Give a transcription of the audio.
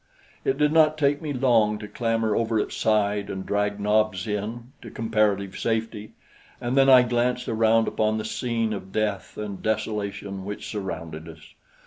It did not take me long to clamber over its side and drag Nobs in to comparative safety, and then I glanced around upon the scene of death and desolation which surrounded us.